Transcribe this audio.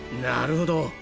なるほど。